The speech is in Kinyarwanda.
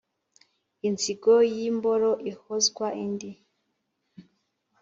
l nzigo y'imboro ihozwa indi